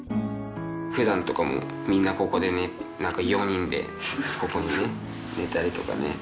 普段とかもみんなここでね４人でここにね寝たりとかね。